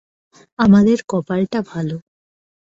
আমাদের কপাল টা ভালো।